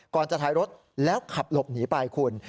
จะท้ายรถแล้วขับหลบหนีไปคุณ